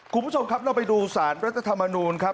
คุณผู้ชมครับเราไปดูสารรัฐธรรมนูลครับ